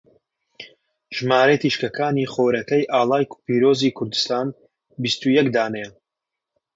ژمارەی تیشکەکانی خۆرەکەی ئاڵای پیرۆزی کوردستان بیستو یەک دانەیە.